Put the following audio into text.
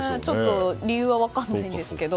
理由は分からないんですが。